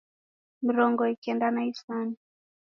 Mrongo ikenda na isanu